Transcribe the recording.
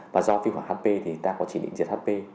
và do viêm hỏa hp thì ta có chỉ định diệt hp